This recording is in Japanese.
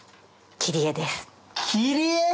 切り絵⁉